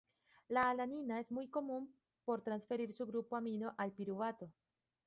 La alanina es muy común por transferir su grupo amino al piruvato.